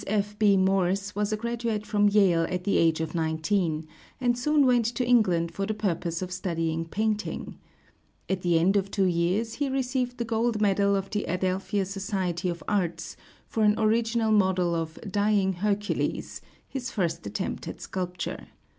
F. B. Morse was a graduate from Yale at the age of nineteen, and soon went to England for the purpose of studying painting. At the end of two years he received the gold medal of the Adelphia Society of Arts for an original model of a "Dying Hercules," his first attempt at sculpture.